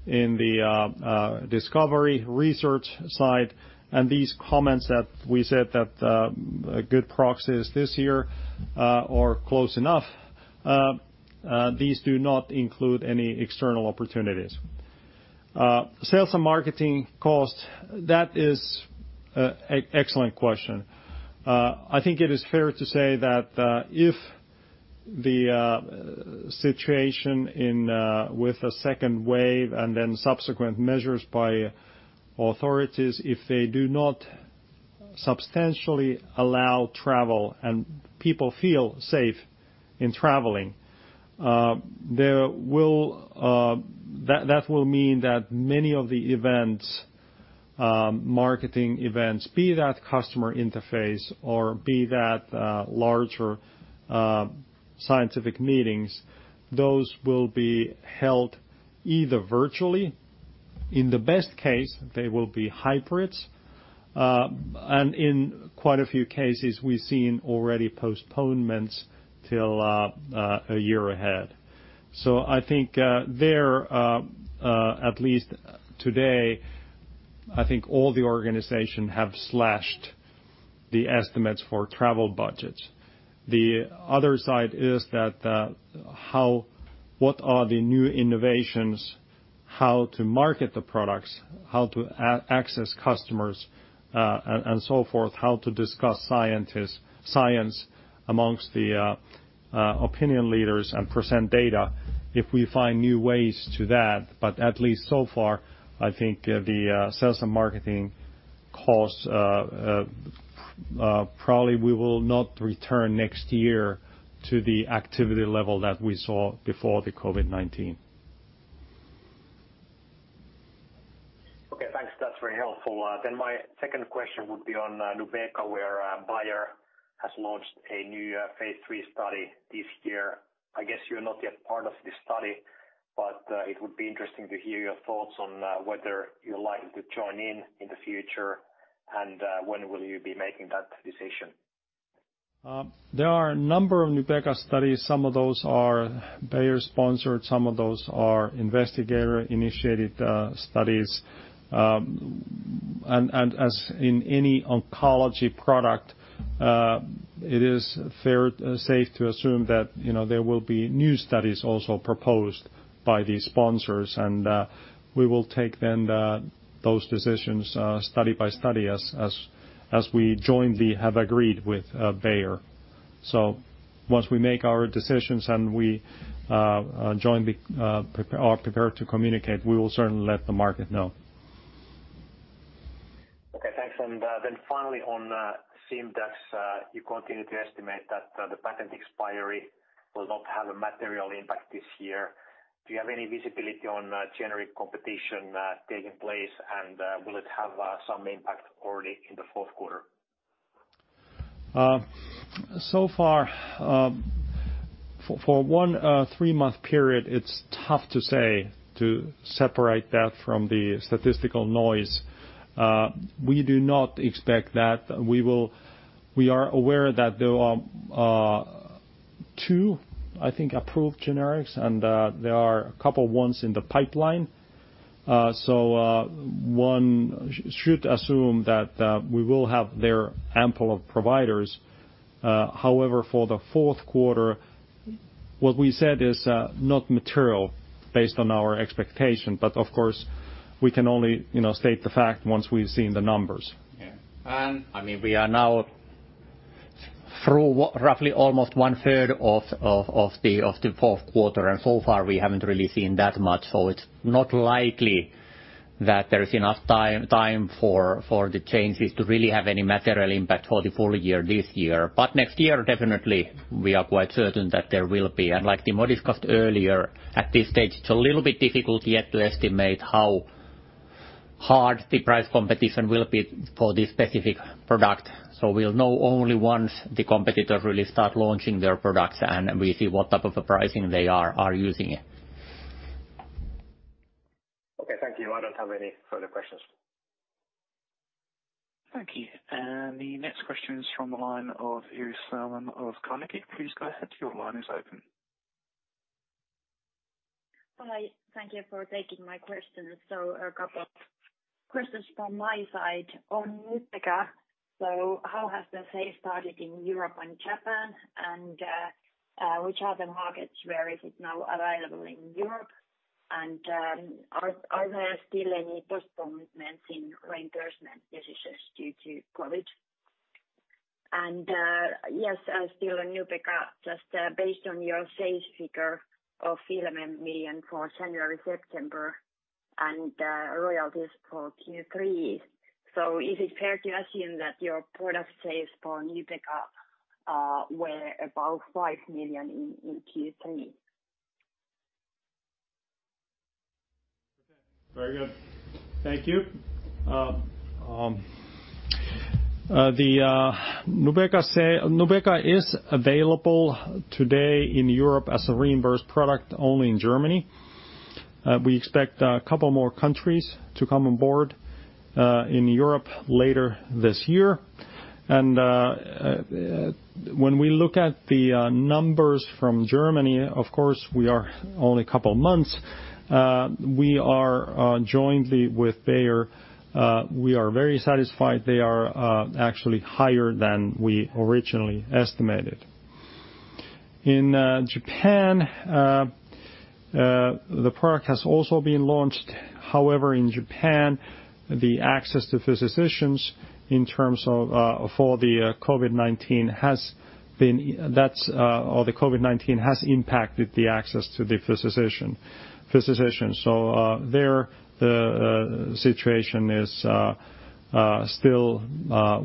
in the discovery research side. These comments that we said that good proxies this year are close enough, these do not include any external opportunities. Sales and marketing cost, that is excellent question. I think it is fair to say that if the situation with the second wave and then subsequent measures by authorities, if they do not substantially allow travel and people feel safe in traveling, that will mean that many of the events, marketing events, be that customer interface or be that larger scientific meetings, those will be held either virtually, in the best case, they will be hybrids. In quite a few cases, we've seen already postponements till a year ahead. I think there, at least today, I think all the organization have slashed the estimates for travel budgets. The other side is what are the new innovations, how to market the products, how to access customers, and so forth, how to discuss science amongst the opinion leaders and present data if we find new ways to that. At least so far, I think the sales and marketing costs, probably we will not return next year to the activity level that we saw before the COVID-19. Okay, thanks. That's very helpful. My second question would be on NUBEQA, where Bayer has launched a new phase III study this year. I guess you're not yet part of this study, but it would be interesting to hear your thoughts on whether you're likely to join in in the future and when will you be making that decision? There are a number of NUBEQA studies. Some of those are Bayer sponsored, some of those are investigator-initiated studies. As in any oncology product, it is safe to assume that there will be new studies also proposed by these sponsors and we will take then those decisions study by study as we jointly have agreed with Bayer. Once we make our decisions and we jointly are prepared to communicate, we will certainly let the market know. Okay, thanks. Finally on Simdax, you continue to estimate that the patent expiry will not have a material impact this year. Do you have any visibility on generic competition taking place and will it have some impact already in the fourth quarter? Far, for one three-month period, it's tough to say to separate that from the statistical noise. We do not expect that. We are aware that there are two, I think, approved generics, and there are a couple ones in the pipeline. One should assume that we will have their ample of providers. However, for the fourth quarter, what we said is not material based on our expectation, but of course, we can only state the fact once we've seen the numbers. Yeah. We are now through roughly almost one-third of the fourth quarter, and so far we haven't really seen that much. It's not likely that there is enough time for the changes to really have any material impact for the full year this year. Next year, definitely, we are quite certain that there will be. Like Timo discussed earlier, at this stage, it's a little bit difficult yet to estimate how hard the price competition will be for this specific product. We'll know only once the competitors really start launching their products and we see what type of a pricing they are using. Okay, thank you. I don't have any further questions. Thank you. The next question is from the line of Iiris Theman of Carnegie. Please go ahead, your line is open. Hi. Thank you for taking my questions. A couple of questions from my side on NUBEQA. How has the sales started in Europe and Japan and which are the markets where is it now available in Europe and are there still any postponements in reimbursement decisions due to COVID-19? Yes, still on NUBEQA, just based on your sales figure of 11 million for January-September and royalties for Q3. Is it fair to assume that your product sales for NUBEQA were about EUR 5 million in Q3? Very good. Thank you. NUBEQA is available today in Europe as a reimbursed product only in Germany. We expect a couple more countries to come on board in Europe later this year. When we look at the numbers from Germany, of course, we are only a couple months, we are jointly with Bayer, we are very satisfied. They are actually higher than we originally estimated. In Japan, the product has also been launched. In Japan, the access to physicians in terms of for the COVID-19 has impacted the access to the physicians. There the situation is still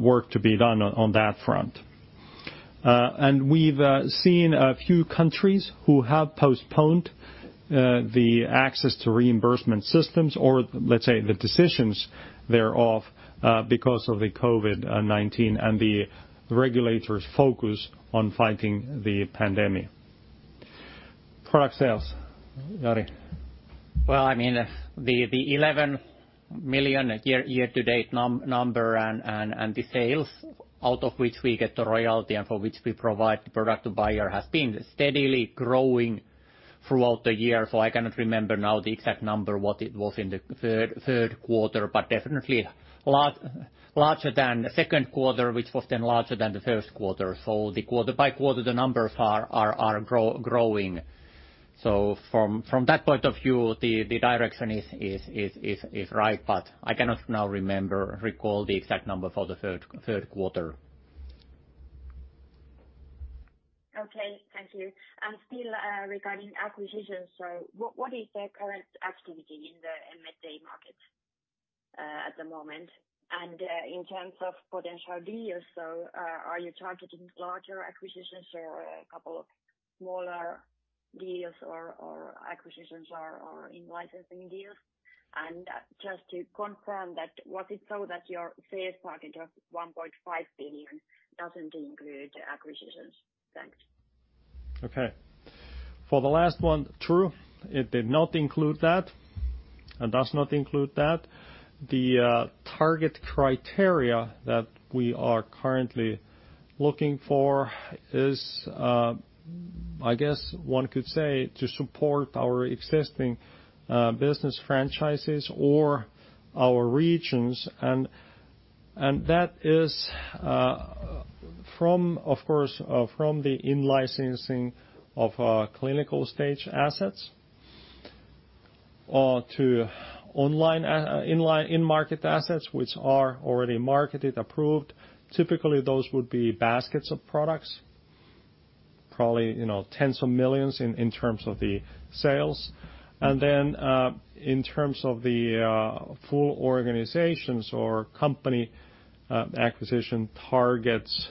work to be done on that front. We've seen a few countries who have postponed the access to reimbursement systems or let's say the decisions thereof because of the COVID-19 and the regulators' focus on fighting the pandemic. Product sales, Jari. The 11 million year-to-date number and the sales out of which we get the royalty and for which we provide the product to Bayer has been steadily growing throughout the year. I cannot remember now the exact number what it was in the third quarter, but definitely larger than the second quarter, which was then larger than the first quarter. The quarter by quarter, the numbers are growing. From that point of view, the direction is right, but I cannot now recall the exact number for the third quarter. Okay. Thank you. Still regarding acquisitions, what is the current activity in the M&A market at the moment? In terms of potential deals, are you targeting larger acquisitions or a couple of smaller deals or acquisitions or in licensing deals? Just to confirm that was it that your sales target of 1.5 billion doesn't include acquisitions? Thanks. Okay. For the last one, true, it did not include that and does not include that. The target criteria that we are currently looking for is I guess one could say to support our existing business franchises or our regions and that is of course from the in-licensing of clinical stage assets or to in market assets which are already marketed, approved. Typically those would be baskets of products, probably tens of millions in terms of the sales. In terms of the full organizations or company acquisition targets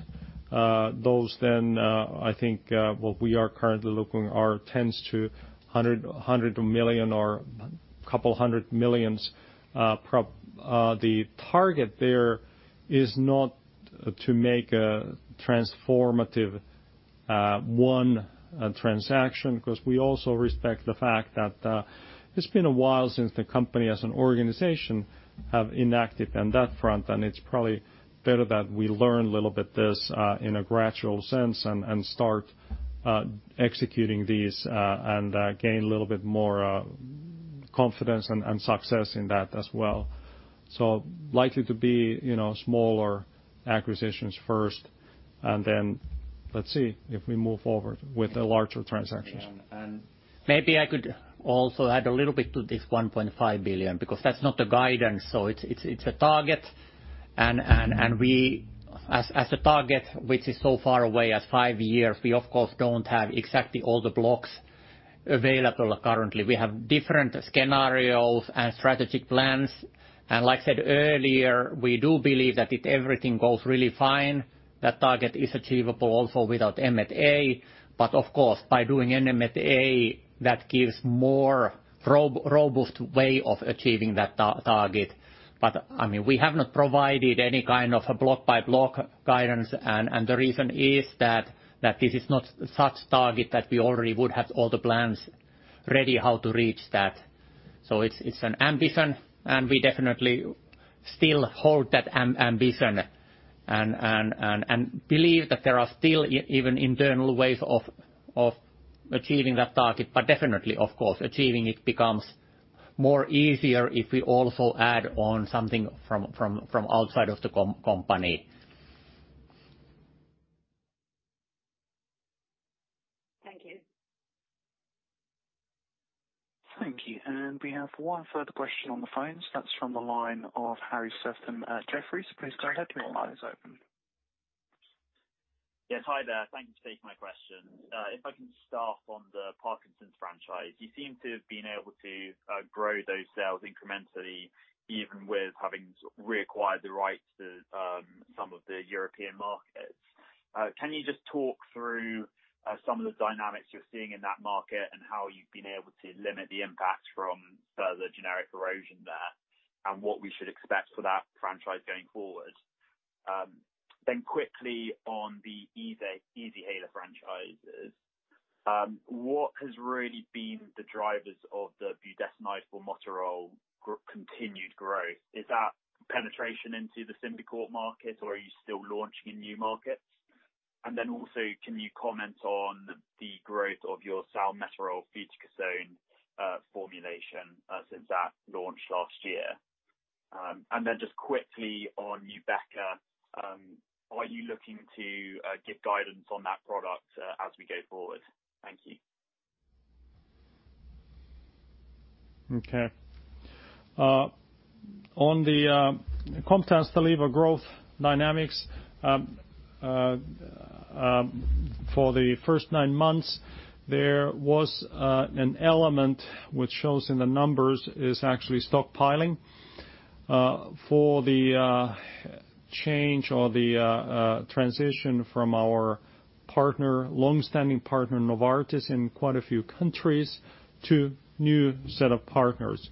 those then I think what we are currently looking are tends to a hundred million or a couple hundred millions. The target there is not to make a transformative one transaction because we also respect the fact that it's been a while since the company as an organization have enacted on that front and it's probably better that we learn a little bit this in a gradual sense and start executing these and gain a little bit more confidence and success in that as well. Likely to be smaller acquisitions first and then let's see if we move forward with the larger transactions. Maybe I could also add a little bit to this 1.5 billion because that's not the guidance. It's a target and as a target which is so far away as five years, we of course don't have exactly all the blocks available currently. We have different scenarios and strategic plans and like I said earlier, we do believe that if everything goes really fine, that target is achievable also without M&A. Of course by doing an M&A that gives more robust way of achieving that target. We have not provided any kind of a block by block guidance and the reason is that this is not such target that we already would have all the plans ready how to reach that. It's an ambition, and we definitely still hold that ambition and believe that there are still even internal ways of achieving that target. Definitely, of course, achieving it becomes more easier if we also add on something from outside of the company. Thank you. Thank you. We have one further question on the phone. That's from the line of Harry Sefton at Jefferies. Please go ahead. Your line is open. Yes, hi there. Thank you for taking my question. If I can start on the Parkinson's franchise. You seem to have been able to grow those sales incrementally even with having reacquired the rights to some of the European markets. Can you just talk through some of the dynamics you're seeing in that market and how you've been able to limit the impact from further generic erosion there? What we should expect for that franchise going forward? Quickly on the Easyhaler franchises, what has really been the drivers of the budesonide formoterol continued growth? Is that penetration into the Symbicort market, or are you still launching in new markets? Also, can you comment on the growth of your salmeterol fluticasone formulation since that launch last year? Just quickly on NUBEQA, are you looking to give guidance on that product as we go forward? Thank you. Okay. On the Comtess-Stalevo growth dynamics, for the first nine months, there was an element which shows in the numbers is actually stockpiling for the change or the transition from our longstanding partner, Novartis in quite a few countries to new set of partners.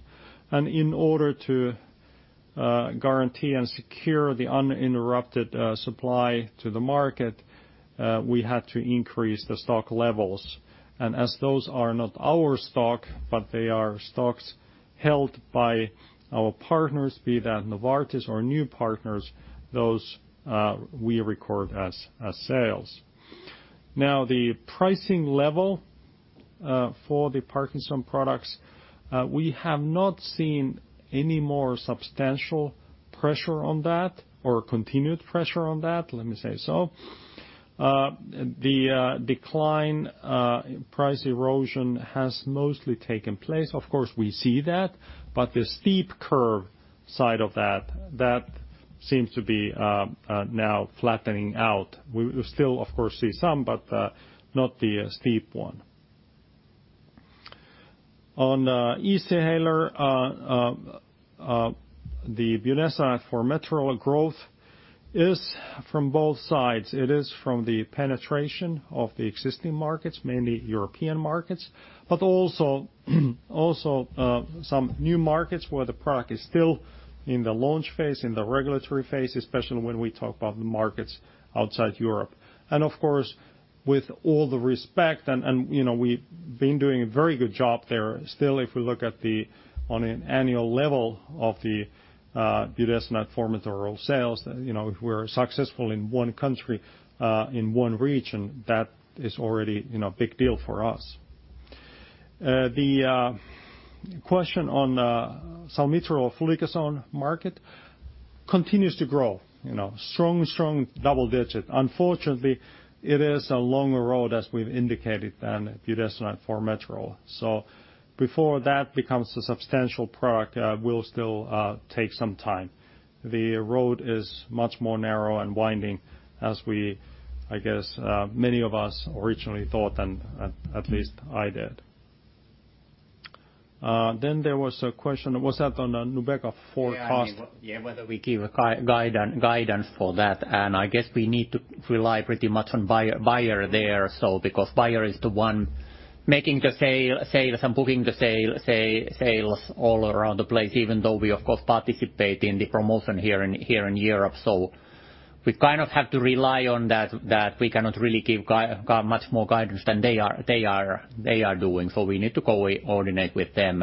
In order to guarantee and secure the uninterrupted supply to the market we had to increase the stock levels. As those are not our stock, but they are stocks held by our partners, be that Novartis or new partners, those we record as sales. Now, the pricing level for the Parkinson products, we have not seen any more substantial pressure on that, or continued pressure on that, let me say so. The decline price erosion has mostly taken place. Of course, we see that, but the steep curve side of that seems to be now flattening out. We still, of course, see some, but not the steep one. On Easyhaler, the budesonide formoterol growth is from both sides. It is from the penetration of the existing markets, mainly European markets, but also some new markets where the product is still in the launch phase, in the regulatory phase, especially when we talk about the markets outside Europe. Of course, with all the respect and we've been doing a very good job there. Still, if we look at the on an annual level of the budesonide formoterol sales, if we're successful in one country, in one region, that is already big deal for us. The question on salmeterol fluticasone market continues to grow strong double digit. Unfortunately, it is a longer road, as we've indicated than budesonide formoterol. Before that becomes a substantial product will still take some time. The road is much more narrow and winding as we, I guess, many of us originally thought, and at least I did. There was a question, was that on NUBEQA forecast? Yeah, whether we give a guidance for that, and I guess we need to rely pretty much on Bayer there. Because Bayer is the one making the sales and booking the sales all around the place, even though we of course participate in the promotion here in Europe. We kind of have to rely on that, we cannot really give much more guidance than they are doing. We need to coordinate with them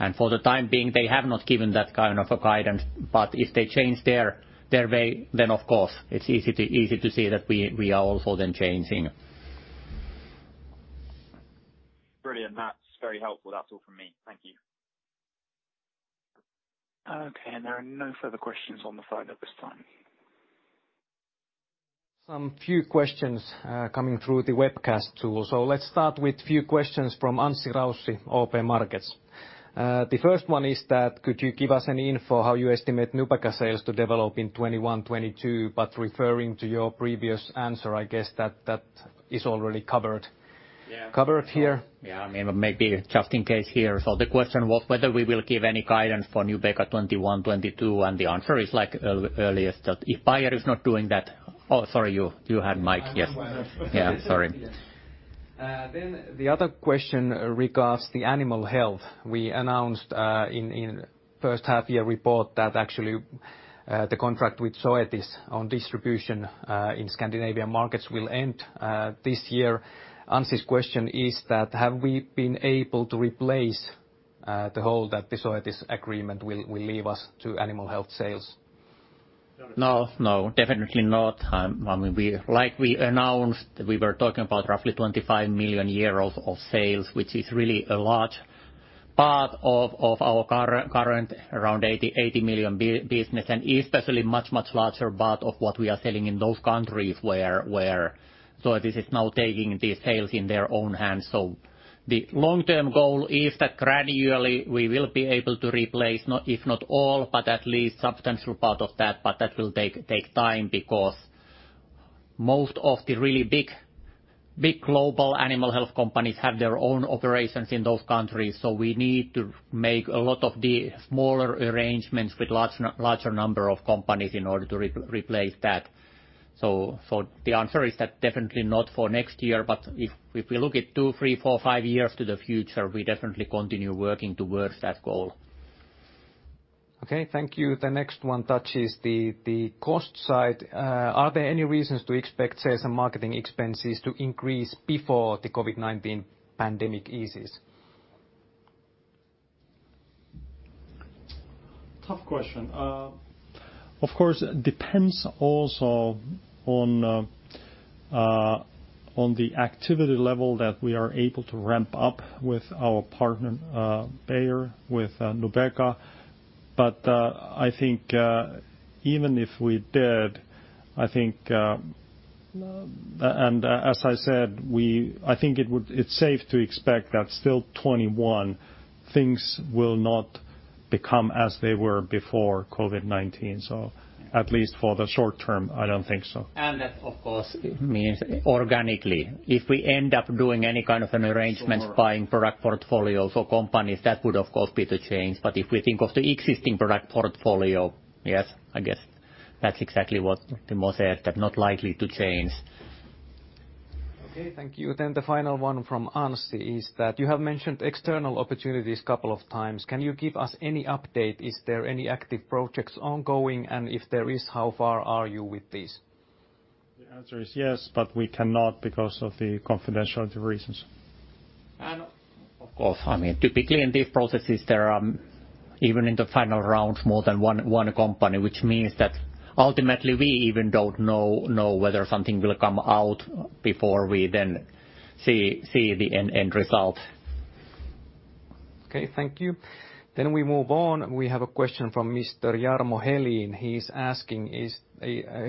and for the time being, they have not given that kind of a guidance. If they change their way, then of course it's easy to see that we are also then changing. Brilliant. That's very helpful. That's all from me. Thank you. Okay, there are no further questions on the phone at this time. Some few questions coming through the webcast tool. Let's start with few questions from Anssi Raussi, OP Markets. The first one is that could you give us an info how you estimate NUBEQA sales to develop in 2021, 2022? Referring to your previous answer, I guess that is already covered here. Yeah. Yeah, maybe just in case here. The question was whether we will give any guidance for NUBEQA 2021, 2022, and the answer is like earliest that if Bayer is not doing that Oh, sorry, you had mic. Yes. I'm aware. Yeah, sorry. The other question regards the animal health. We announced in first half year report that actually the contract with Zoetis on distribution in Scandinavian markets will end this year. Anssi's question is that have we been able to replace the hole that the Zoetis agreement will leave us to animal health sales? No, definitely not. Like we announced, we were talking about roughly 25 million euros of sales, which is really a large part of our current around 80 million business, and especially much larger part of what we are selling in those countries where this is now taking these sales in their own hands. The long-term goal is that gradually we will be able to replace, if not all, but at least a substantial part of that, but that will take time because most of the really big global animal health companies have their own operations in those countries. We need to make a lot of the smaller arrangements with larger number of companies in order to replace that. The answer is that definitely not for next year, but if we look at two, three, four, five years to the future, we definitely continue working towards that goal. Okay, thank you. The next one touches the cost side. Are there any reasons to expect sales and marketing expenses to increase before the COVID-19 pandemic eases? Tough question. Of course, it depends also on the activity level that we are able to ramp up with our partner, Bayer, with NUBEQA. I think even if we did, and as I said, I think it's safe to expect that still 2021, things will not become as they were before COVID-19. At least for the short term, I don't think so. That, of course, means organically. If we end up doing any kind of an arrangement buying product portfolios or companies, that would of course be the change. If we think of the existing product portfolio, yes, I guess that's exactly what Timo said, that's not likely to change. Okay, thank you. The final one from Anssi is that you have mentioned external opportunities a couple of times. Can you give us any update? Is there any active projects ongoing, and if there is, how far are you with this? The answer is yes, but we cannot because of the confidentiality reasons. Of course, I mean, typically in these processes, there are even in the final rounds, more than one company, which means that ultimately we even don't know whether something will come out before we then see the end result. Okay, thank you. We move on. We have a question from Mr. Jarmo Helin.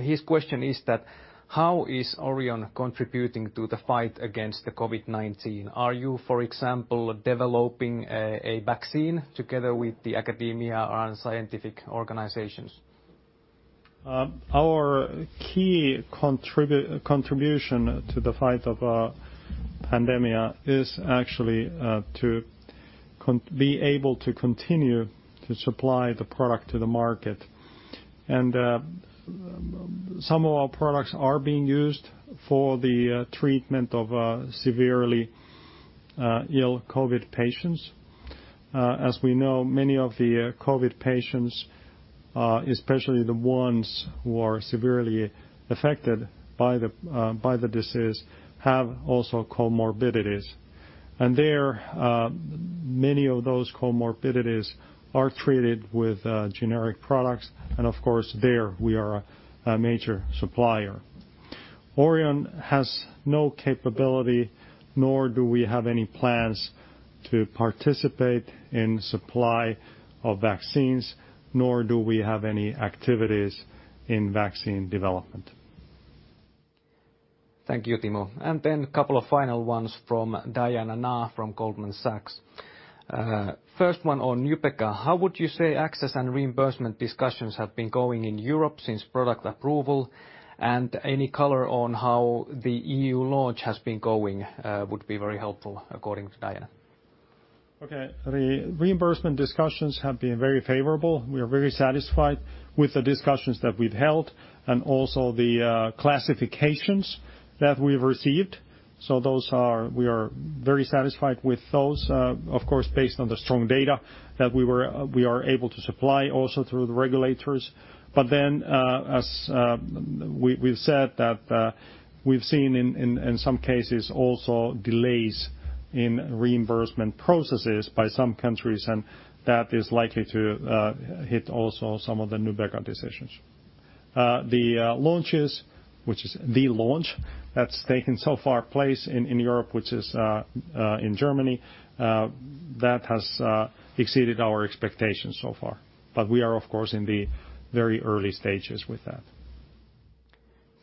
His question is that how is Orion contributing to the fight against the COVID-19? Are you, for example, developing a vaccine together with the academia or scientific organizations? Our key contribution to the fight of pandemic is actually to be able to continue to supply the product to the market. Some of our products are being used for the treatment of severely ill COVID patients. As we know, many of the COVID patients, especially the ones who are severely affected by the disease, have also comorbidities. There, many of those comorbidities are treated with generic products, and of course, there we are a major supplier. Orion has no capability, nor do we have any plans to participate in supply of vaccines, nor do we have any activities in vaccine development. Thank you, Timo. A couple of final ones from Diana Na from Goldman Sachs. First one on NUBEQA. How would you say access and reimbursement discussions have been going in Europe since product approval? Any color on how the EU launch has been going would be very helpful, according to Diana. The reimbursement discussions have been very favorable. We are very satisfied with the discussions that we've held and also the classifications that we've received. We are very satisfied with those, of course, based on the strong data that we are able to supply also through the regulators. As we've said that we've seen in some cases also delays in reimbursement processes by some countries, and that is likely to hit also some of the NUBEQA decisions. The launches, which is the launch that's taken so far place in Europe, which is in Germany that has exceeded our expectations so far. We are of course in the very early stages with that.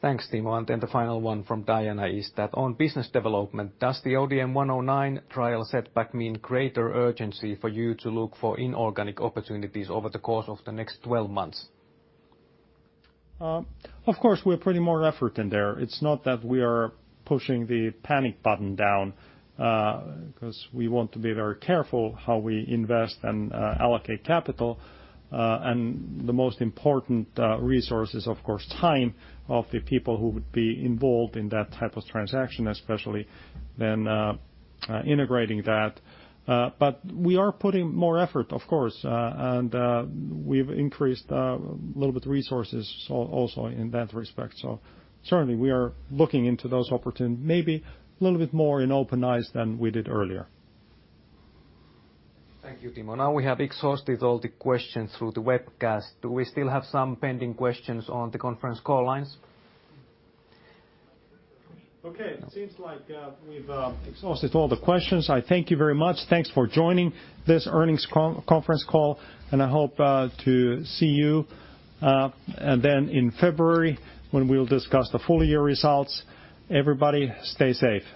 Thanks, Timo. The final one from Diana is that on business development, does the ODM-109 trial setback mean greater urgency for you to look for inorganic opportunities over the course of the next 12 months? Of course, we are putting more effort in there. It's not that we are pushing the panic button down because we want to be very careful how we invest and allocate capital. The most important resource is of course, time of the people who would be involved in that type of transaction, especially then integrating that. We are putting more effort, of course, and we've increased a little bit of resources also in that respect. Certainly we are looking into those opportunities maybe a little bit more in open eyes than we did earlier. Thank you, Timo. Now we have exhausted all the questions through the webcast. Do we still have some pending questions on the conference call lines? Okay, seems like we've exhausted all the questions. I thank you very much. Thanks for joining this earnings conference call, and I hope to see you then in February when we'll discuss the full year results. Everybody stay safe.